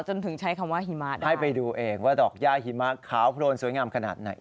จนถึงใช้คำว่าหิมะให้ไปดูเองว่าดอกย่าหิมะขาวโพรนสวยงามขนาดไหน